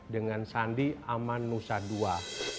dengan sandi aman nusa ii